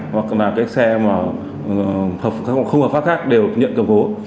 hoặc là cái xe mà không hợp pháp khác đều nhận cầm cố